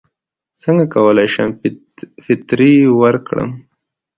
څنګه کولی شم فطرې ورکړم